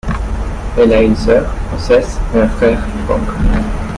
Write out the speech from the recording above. Elle a une sœur, Frances, et un frère Frank.